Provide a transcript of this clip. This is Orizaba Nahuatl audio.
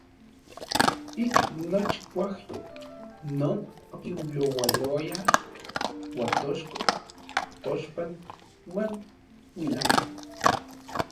Ik nochi kuajyo non okiyaualoaya Uatochko, Tochpan uan Uilanko.